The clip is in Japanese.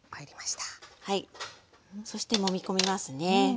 そしてもみ込みますね。